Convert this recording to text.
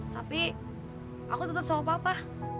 tapi aku tetap sama papa